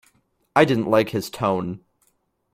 I didn't like his tone.